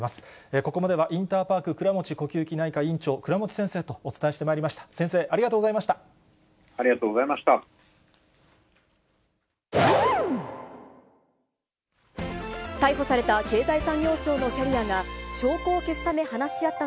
ここまではインターパーク倉持呼吸器内科院長、倉持先生とお伝えしてまいりました。